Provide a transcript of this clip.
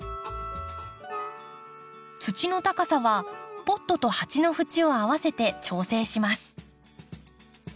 土の高さはポットと鉢の縁を合わせて調整します。